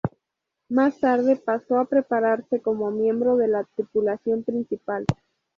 Más tarde pasó a prepararse como miembro de la tripulación principal.